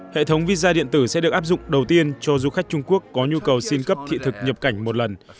hệ thống visa điện tử sẽ được áp dụng đầu tiên cho du khách trung quốc có nhu cầu xin cấp thị thực nhập cảnh một lần